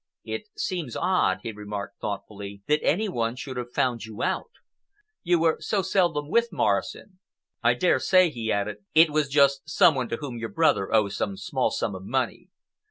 "It seems odd," he remarked thoughtfully, "that any one should have found you out. You were so seldom with Morrison. I dare say," he added, "it was just some one to whom your brother owes some small sum of money."